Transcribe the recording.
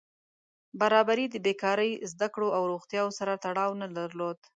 برابري د بېکاري، زده کړو او روغتیا سره تړاو نه درلود.